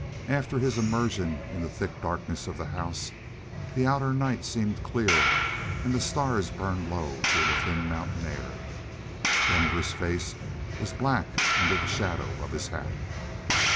After his immersion in the thick darkness of the house, the outer night seemed clear and the stars burned low through the thin mountain air. Denver's face was black under the shadow of his hat.